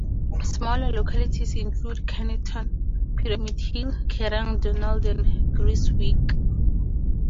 Smaller localities include Kyneton, Pyramid Hill, Kerang, Donald and Creswick.